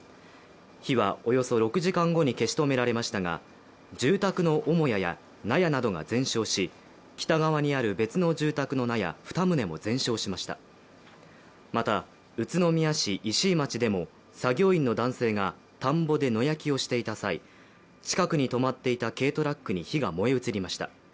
火はおよそ６時間後に消し止められましたが住宅の母屋や納屋などが全焼し北側にある別の住宅の納屋２棟も全焼しましたまた宇都宮市石井町でも作業員の男性が田んぼで野焼きをしていた際近くに止まっていた軽トラックに火が燃え移りました。